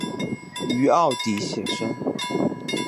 於澳底写生